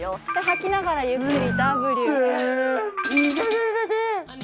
吐きながらゆっくりＷ。